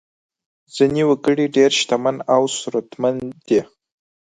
ځینې وګړي ډېر شتمن او ثروتمند دي.